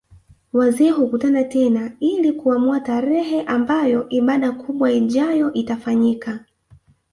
Wazee hukutana tena ili kuamua tarehe ambayo ibada kubwa ijayo itafanyika